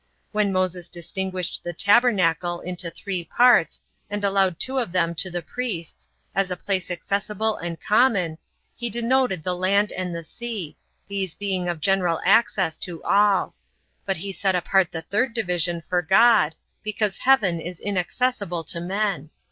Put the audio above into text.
When Moses distinguished the tabernacle into three parts, 15 and allowed two of them to the priests, as a place accessible and common, he denoted the land and the sea, these being of general access to all; but he set apart the third division for God, because heaven is inaccessible to men.